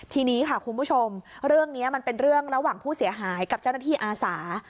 ทีนี้ค่ะคุณผู้ชมเรื่องนี้มันเป็นเรื่องระหว่างผู้เสียหายกับเจ้าหน้าที่อาสา